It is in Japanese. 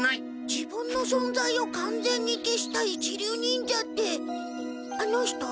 自分のそんざいをかんぜんに消した一流忍者ってあの人？